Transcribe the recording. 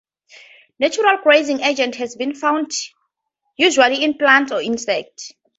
Natural glazing agents have been found, usually in plants or insects.